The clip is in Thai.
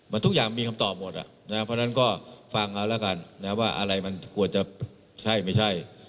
มันทุกอย่างมีคำตอบหมดอ่ะนะเพราะฉะนั้นก็ฟังเอาแล้วกันนะว่าอะไรมันควรจะใช่ไม่ใช่